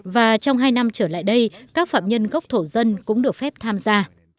và trong hai năm trở lại đây các phạm nhân gốc thổ dân cũng được phép tham gia